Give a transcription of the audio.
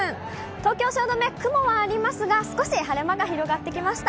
東京・汐留、雲はありますが、少し晴れ間が広がってきました。